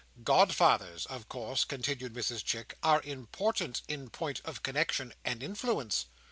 "Godfathers, of course," continued Mrs Chick, "are important in point of connexion and influence."